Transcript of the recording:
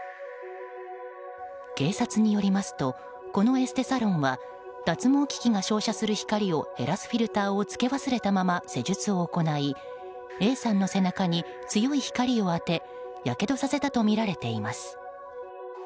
警察によりますとこのエステサロンは脱毛機器が照射する光を減らすフィルターを付け忘れたまま施術を行いＡさんの背中に強い光を当てやけどさせたとみられています。